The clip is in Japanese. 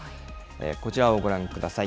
こちらをご覧ください。